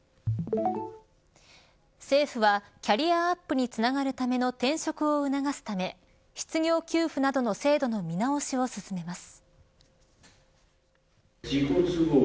政府はキャリアアップにつながるための転職を促すため失業給付などの制度の見直しを進めます。